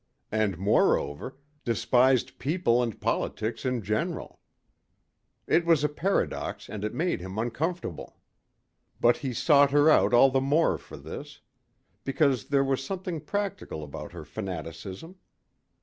And, moreover, despised people and politics in general? It was a paradox and it made him uncomfortable. But he sought her out all the more for this. Because there was something practical about her fanaticism.